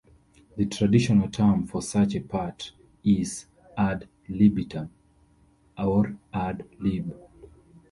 The traditional term for such a part is "ad libitum", or "ad lib.